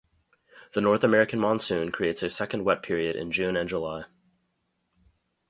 The North American Monsoon creates a second wet period in June and July.